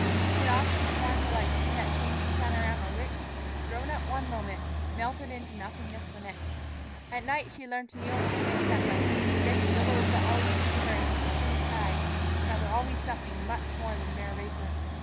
She had often before in her life seen that changing panorama which, thrown up one moment, melted into nothingness the next. At night she had learned to kneel with her face that way, to the great billows that always seemed to her a seat in the sky, that were always something more than mere vapor.